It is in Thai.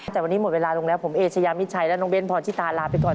แต่วันนี้หมดเวลาลงแล้วผมเอเชยามิดชัยและน้องเบ้นพรชิตาลาไปก่อน